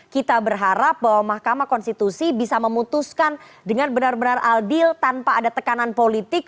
kita berharap bahwa mahkamah konstitusi bisa memutuskan dengan benar benar adil tanpa ada tekanan politik